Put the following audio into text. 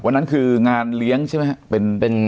วันนั้นคืองานเลี้ยงใช่ไหมครับ